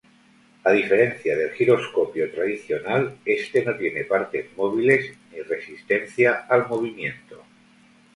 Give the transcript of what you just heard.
A diferencia del giroscopio tradicional, este no tiene partes móviles, ni resistencia al movimiento.